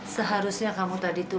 seharusnya kamu tadi tuh